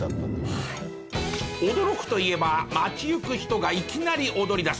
驚くといえば街行く人がいきなり踊りだす